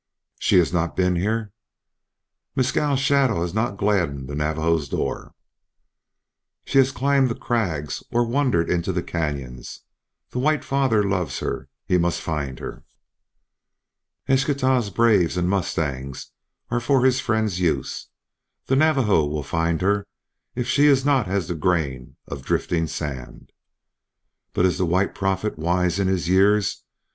"She has not been here?" "Mescal's shadow has not gladdened the Navajo's door." "She has climbed the crags or wandered into the canyons. The white father loves her; he must find her." "Eschtah's braves and mustangs are for his friend's use. The Navajo will find her if she is not as the grain of drifting sand. But is the White Prophet wise in his years?